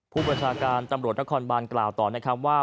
ผู้ประชาการตำรวจนครบันกล่าวต่อในคำว่า